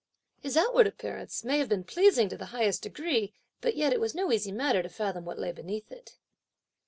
His outward appearance may have been pleasing to the highest degree, but yet it was no easy matter to fathom what lay beneath it.